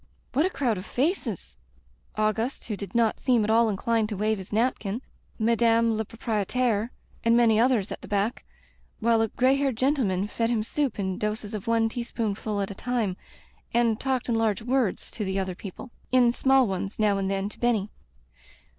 What a crowd of faces! Auguste, who did not seem at all inclined to wave his napkin, Madame la Proprietaire, and many others at the back, while a gray haired gendeman fed him soup in doses of one teaspoonful at a time and talked in large words to the other people — ^in small ones, now and then, to Benny.